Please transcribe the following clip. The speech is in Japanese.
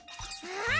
ああ！